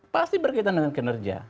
pasti berkaitan dengan kinerja